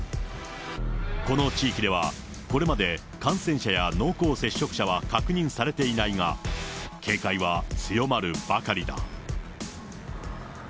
この地域では、これまで感染者や濃厚接触者は確認されていないが、警戒は強まるばかりだ。